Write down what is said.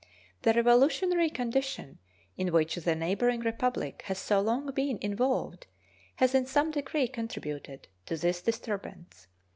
The revolutionary condition in which the neighboring Republic has so long been involved has in some degree contributed to this disturbance.